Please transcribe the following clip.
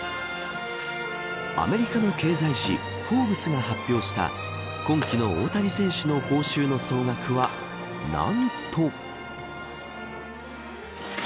アメリカの経済誌フォーブスが発表した今季の大谷選手の報酬の総額は何と。